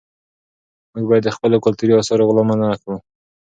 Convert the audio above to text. موږ باید د خپلو کلتوري اثارو غلا منعه کړو.